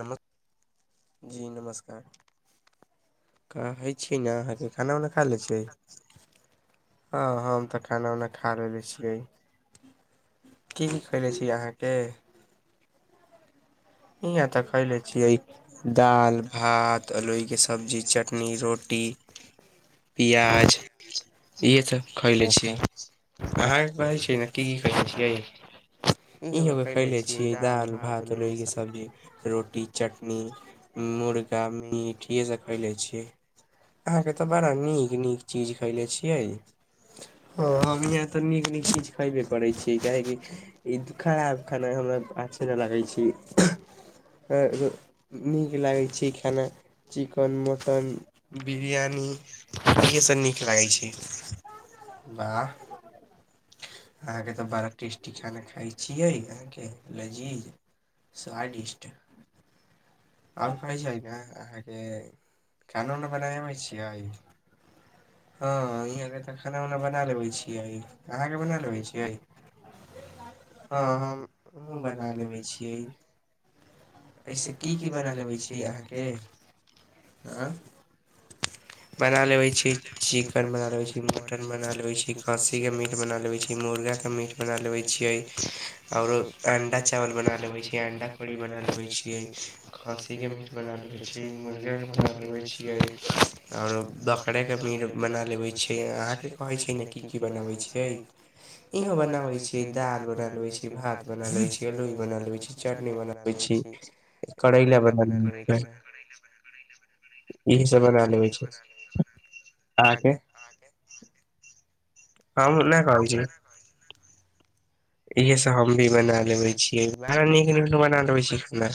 नमस् जी नमस्कार कहै छियै ने अहाँके खाना उना खा लै छियै हँ हम तऽ खाना उना खा लेने छियै की की खयले छी अहाँ के इहाँ तऽ खयले छियै दाल भात रोइ के सब्जी चटनी रोटी हूं पियाज इहे सभ खयले छियै अहाँके कहै छियै न की की खैले छियै इहो के खैले छीयै दाल भात लोही के सब सब्जी रोटी चटनी मुर्गा मीट इहे सब खयले छियै अहाँ के तऽ बड़ा नीक नीक चीज खैले छियै हँ हम यहाँ तऽ नीक नीक चीज खैबे करै छी काहेकि ई खराब खाना हमरा अच्छे नहि लागै छी आओर नीक लागैत छै खाना चिकन मटन बिरियानी इ हे सब नीक लागै छै वाह अहाँके तऽ बड़ा टेस्टी खाना खाइ छियै अहाँके ले जी साइड इस्ट आओर कहै छै ने अहाँके खाना उना बनाबै आवय छियै हँ इहाँके तऽ खाना उना बना लेबै छियै अहाँके बना लेबै छियै हँ हमहुँ बना लेबै छियै एहिसँ की की बना लेबै छी अहाँके आँय बना लेवे छी चिकेन बना लेवे छी मटन बना लेवे छी खसी के मीट बना लेबे छी मू मुर्गा के मीट बना लेवे छीयैऔरो अंडा चावल बना लेवे छीयै अंडा कड़ी बना लेवे छी खस्सी के मीट बना लै छियै मुर्गा के बना लेवे छियै ओरो बकरे के मीट बना लेबै छियै अहाँके कहै छै ने की की बनाबै छियै इहो बनाबे छीयै दाल बना लै छी भात बना लै छीयै लोई बना लै छी चटनी बना लेबै छीयै करैला बना लेबे छ इहे सब बना लेबे अहाँके अहाँके हँ नहि कहै छी इहे सभ हम भी बना लेबै छियै आहां नीक नीक बना लेबै छीयै खना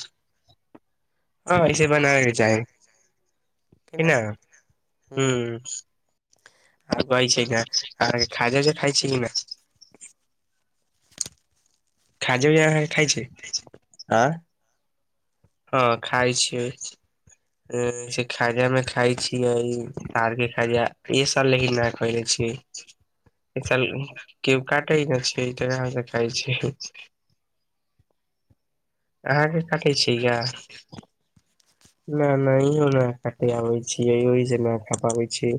हँ इे बनाय ल चाहे कि नहि हुं हुं ओर कहै छै ने अहाँके खाजा जे खाइ छै कि नहि खाजा खाइ छी एं हँ खाइ छियै खाजा मे खाय छियै तार के खाजा ईस लेकिन न खयले छीयै एक साल के काटै छै त खइ छै अहाँके काटै छै यए नैय नैय इहो नैह कटे आबै छीयै ओहिसँ नहि खा पाबै छी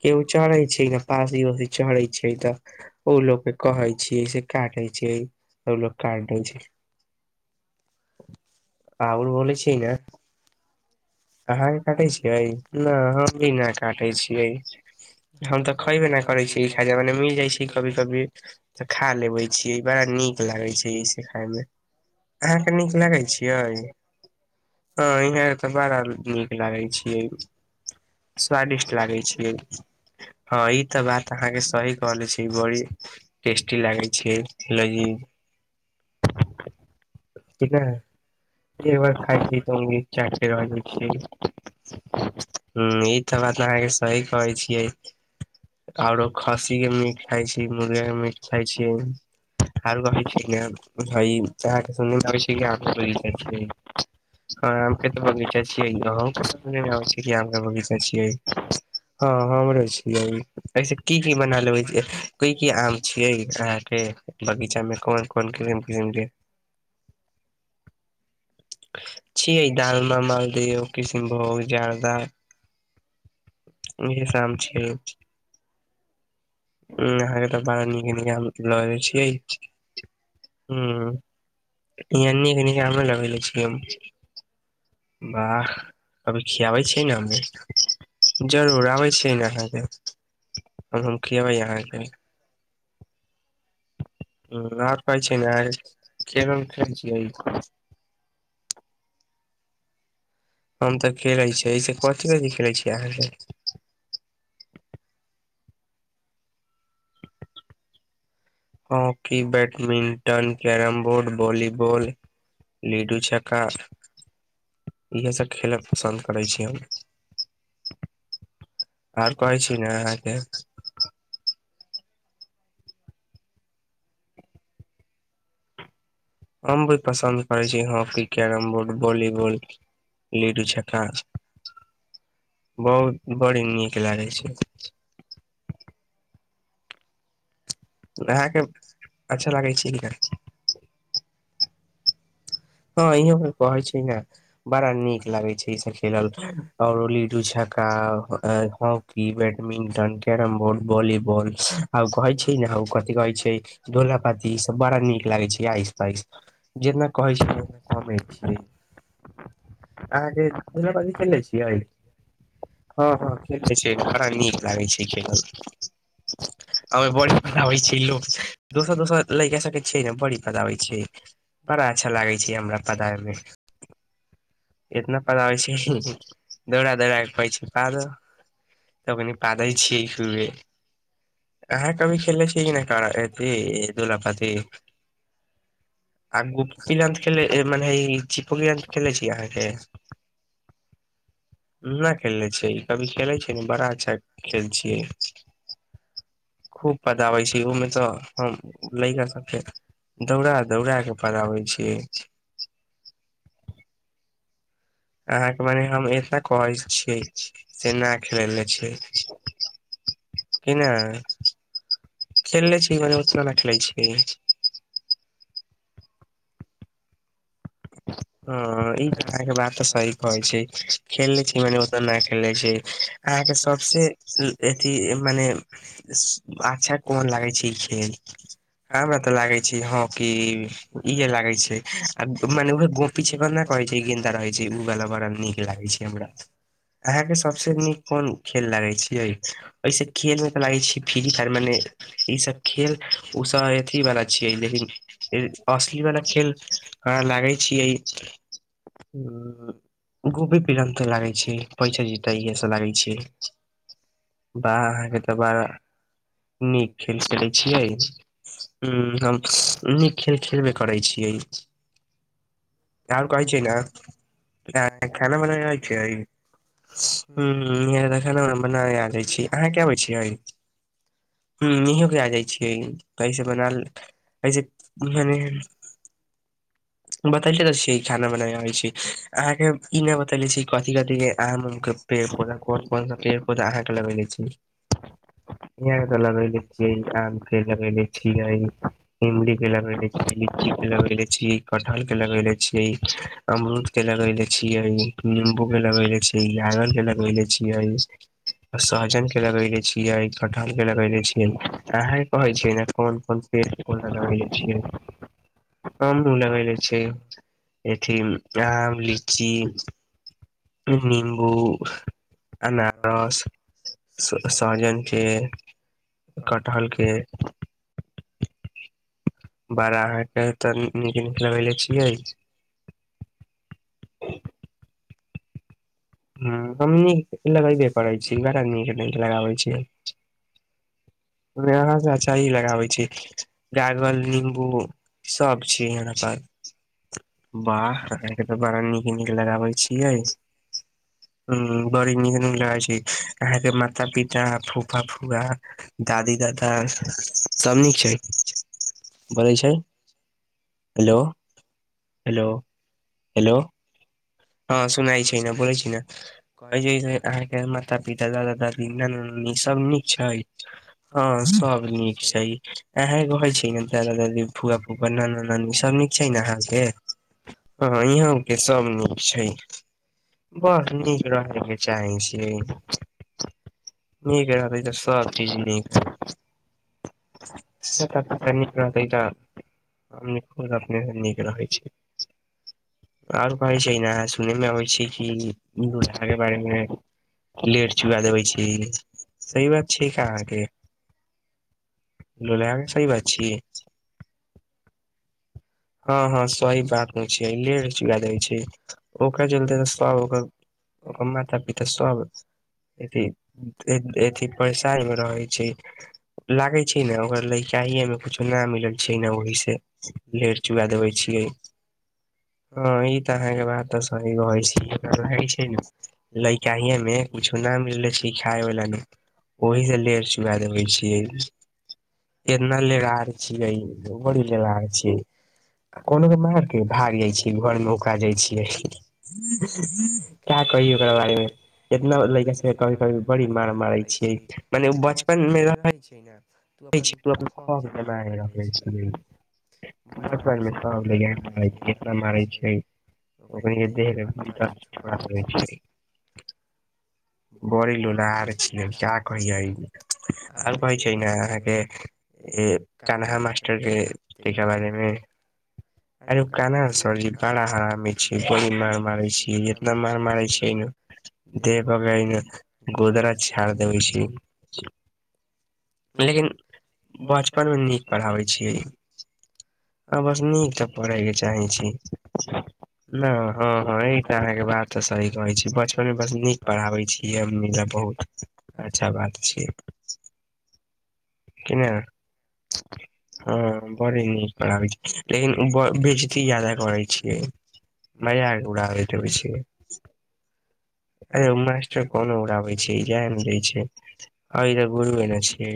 के ओ चढ़े छै ने पासी उसी चढ़े छै तऽ ओ लोक के कहे छीयै से काट छै सभ लोक काटै छै आ बोलै छियै ने [inaudible] अहां के काटे छियै ना हम भी नहि काटै छियै हम तऽ खयबे नहि कर खा मने मिल जाय छै कभी कभी तऽ खा लेबे छी बड़ा नीक लागे छै इ से खाय अहाँके नीक लागै छियै ह इहे तऽ बारा नीक लागै छियै स्वादिष्ट लागै छियै हँ ई तऽ बात अहाँके सही कहले छी बड़ी टेस्टी लागय छैल [inaudible] कि नहि एक बार खाय छै संगीत चटी बाजै छै हं ई तऽ बात अहाँके सही कहै छियै ओरो खस्सी के मीट खाइ छी मुर्गा के मीट खाइ छी आर कभी छ ने भ तहाँके सुमे भै छै हँ आमके तऽ बगीचा छियै कि आमके बगीचा छियै हँ हमरो छियै ऐसे की की बना लेबै की की आम छियै अहाँके बगीचामे कोन कोन किसम किसम के छियै डालमा मालदीय किसिमभोग जरदार ईहे शाम छै ह अहाँके तऽ बड़ा नीके नीके हम लऽ छिय हनी एनी कमे लगैल छीयै वाह अभी खियाबै छियै ने हममे जरूर आबै छियै ने अहाँके हमब हम खेबै अहाँके ह आ कहइ छै ने खेलन खेल छीयै हम तऽ खेलैत छियै ऐस कथी बजे खेलैत छियै अहाँके hockey badminton carrom board volleyball ludo चका इएहसभ खेलय पसन्द करै छी हम आर कहै छी ने अहाँके हम भी पसन्द करै छी hockey carrom board volleyball ludo झखां बहुत बड़ी नीक लागै छै लए क अच्छा लागै छै हँ इो पर कहे छै ने बड़ा नीक लागे छै ई सब खेलल औरो लूडो आ hockey badminton carrom board volleyball आब कहइ छै ने आब कथि कहै छै धोला पाती ई सब बड़ा नीक लागे छै आहिस तहिस जेना कहै छै कमे छियै अहां के खेलै छीयै हँ हँ ठीके छै बड़ा नीक लागै छै खेलयमे ह बड़ी बताबै छै लोक दोसर दोसर लै के सकै छै ने बड़ी बता आबै छै बड़ा अच्छा लागै छै हमरा पदामे इतना पदाबै छिय दौड़ा दौड़ाक पदाबै छिय पादो तखनी पादे छिय हइमे अहाँ कभी खेलय छीय कि नहि करथ दूलापाती आगू पिला त खेले के मने ई चिपो गञान खेले छी अहाँके नहि खेलनेै छै ई कभी खेलैत छै ने बड़ा अच्छा खेल छियै खूब पदाबै छै ओहिमे तऽ हम लैका सके दौड़ा दौड़ा के पदाबै छियै अहाँके मने हम एतना कहै छियै से नहि खेले छियै [inaudible] की भेल खेलनेे छी उतना नहि खेलै छी [inaudible] हाँ ई त अहाँके बात तऽ सही कहै छै खेले छी मने ओत न खेले छै अहाँके सबसे अथी मने अच्छा कोन लागै छै ई खेल हमरा तऽ लागे छै हॉकी इहे लागे छै आ मने उहे पीछे को नहि कहै छै गेन्दा रहै छै ओ वा बड़ा नीक लागै छै हमरा अहाँके सबसे नीक कोन खेल लागैत छै ओहिसे खेल मे तऽ लागै छी फ्री फायर मने ईसब खेल ओसभ अथीवला छियै लेकिन असलीवला खेल ह लागै छियै गोभी पिलन् ते लागै छै पै जीते इहे सब लागै छै बाह तऽ बा नीक खेल खेलैत छियै ह्म हम नीक खेल खेलबे करै छी [inaudible] आर कहइ छै ने खेल मेला रहइ छै ह्म तऽ खाना बना आ जाै छी अहाँ क अबै छीयै हुँ इ के आ जाइ छियै कैसे बनाल कैसे मने [inaudible] बतले तऽ छियै खाना बनाबे आबैछयै अहाँके ई नहि बतले छी कथि कथि के आम उम के पेड़ पौधा कोन को पेड़ पौधा अहाँ के लगले छी त लगे छियै आम के लगे छियै इमली के लगे छियै लीची लगैले छी कटहल के लगेेले छीे अमरूद के लगेेले छीयै निम्बू के लगैले छी के लगले छियै सहजन के लगले छियै कटहल के लगले छियै अहें कहे छीयै ने कोन कोन लगैले छीयै छै एथी आम लीची निम्बू अनारस सहजन छै कटहलके बड़ा होके तऽ नीक नीक लगैले छियै [unintelligible] हाँ हमनी लगेबे करै छी बड़ा नीक नीक लगाबै छियै [inaudible] यहाँ से अच्छा इ लगाबै छै गागल निम्बू सब छी यै यहाँ पर वाह आहाॅंके तऽ बड़ा नीक नीक लगाबै छियै हुं बड़ी नीक नीक लगइ छै अहाँके माता पिता फुफा फुआ दादी दादा सब नीक छै बोलै छै [inaudible] हेलो हेलो हँ सुनाई छै ने बोलै छै ने अहाँके माता पिता दादा दादी नाना ई सब नीक छै हाँ सब नीक छै इहे कहै छै ने दादा दादी फुआ फूफा नाना नानी सब नीक [inaudible] हाँ यहुंके सभ नीक छै बस नीक रहैके चाही छीयै नीक रहतै तऽ सब पिजनी हइ से त कतनी टा बेटा ने खने निक रहे छै आर कहइ छै सुनै मे अबै छै कि ई दुसरा के बारेमे लेट चुका देबै छी सही बात ठीक अहाँके लोलैल सही बात छी [inaudible] हँ हँ सही बात नहि छै लेर चुआ दै छै ओकर चलते त सभ ओकर ओकर माता पिता सब अ अथी परसारमे रहै छै लागे छै ने ओकरा लै चहि में कुछो न मिलल छै ने ओहहि से ले चुआ देबै छियै हँ ई तऽ अहाँके बात तऽ सही रहै छै छै ने लैरकाइयेमे कुछो न मिले छै खाय वला ने ओहि से लेर चुबा देबे छियै केतना लेराह छियै बड़ी लेरार छियै कोनोमारके भाग जाइ छियै घर मे ओकरा जाइ छियै क्या कही ओकरा बारेमे इतना लड़का सब कभी क बड़ी मार मारै छियै मने ओ बच बचपनमे रहैत छै ने [unintelligible] ब [unintelligible] म कतना मारै छै ओ कहैया दे देब बड़ी लुलार छिय क्या कहिय आर कहै छै ने अह के केह कानहा मास्टर के बारेमे अरे उ कान्हा सरजी बड़ा हरामी छै बी मार मारे छै एतना मार मारे छै दे पक ने गोदराा छाड़ देइ छी लेकिन बचपनमे नीक पढ़ाबै छियै हँ बस नीक त पढ़यके चाहै छी नहि हँ हँ एक तारह के बात तऽ सही कहै छी बचपनमे बस नीक पढ़ाबे छिय बहुत अच्छा बात छिय कि न [inaudible] हँ बड़े नीक पढाबे छै लेकिन बेजती जादा करै छियै मजाक उड़ाबैत अबैजे छै अरे मासटर कोनो उड़ाबै छै जइ ने दै छै अ तऽ गुरू ने छै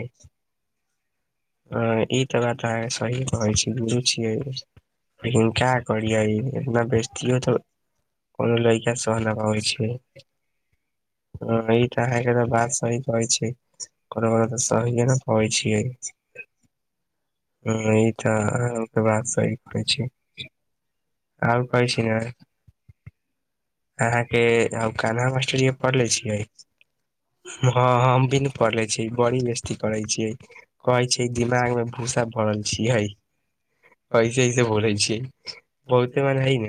ह ई तऽ बात अहाँके सही कहै छी गुरु छियै लेकिन क्या करीअ इ इतना बेजति तऽ कोनो लइका सहनपाबइ छै ह ई तऽ अहके तऽ बात सही कहै छै कोनो को तऽ ओ ज कहै छियै ह ई तऽके बात सही कहै छै आर कहइस ने अहाँ के ाट पढ़ले छियै हँ भी पढ़ले छीैी [inaudible] करै छियै कहै छियै दिमाग मे भूसा भरल छियै ैसे ऐसे बोलै छियै बहुते मन हइ ने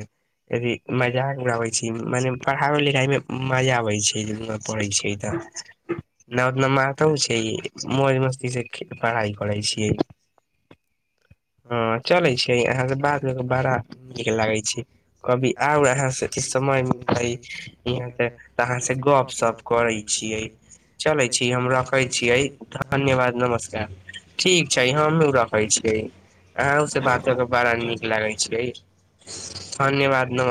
यदि मजाक उड़ाबै छी मने पढ़ाई लिखाई में मजा आबै छै पै छै तऽ न ओतना महत छै मौज मस्ती से पढ़ाइ करै छियै ह चले छिय अहाँ से बात कर के बड़ा नीक लागे छै कभी आउ अहाँ से समयमिलतै इहाँ से तऽ अहाँ से गप सप करै छियै चलै छी हम रखै छियै धन्यवाद नमस्कार ठीक छै हमहु रखै छियै अहू से बात करके बड़ा नीक लागे छिय धन्यवाद नम